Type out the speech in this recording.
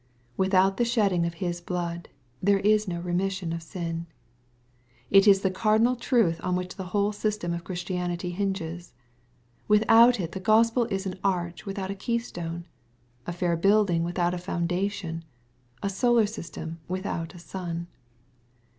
(Without the shedding of his blood, there is no remission of sin.N It is the cardinal truth on which the whole system of Christianity hinges. Without it the Gospel is an arch without a key stone, a fair building without a foundation, a solar system without a sun.